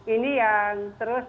ini yang terus